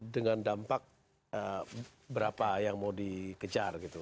dengan dampak berapa yang mau dikejar gitu